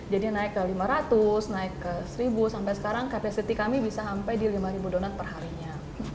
jadi naik ke lima ratus naik ke seribu sampai sekarang kapasiti kami bisa sampai di lima ribu donat per harinya